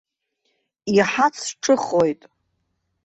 Иҳацҿыхоит.